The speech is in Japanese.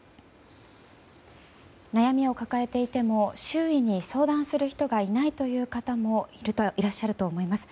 悩みを抱えていても周囲に相談する人がいないという人もいらっしゃると思います。